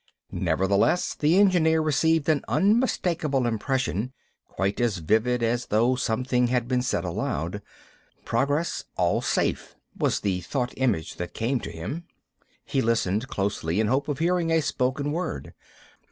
Nevertheless, the engineer received an unmistakable impression, quite as vivid as though something had been said aloud. "Progress; all safe," was the thought image that came to him. He listened closely in hope of hearing a spoken word.